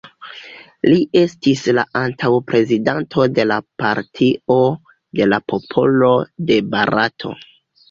Li estis la antaŭa Prezidanto de la Partio de la Popolo de Barato.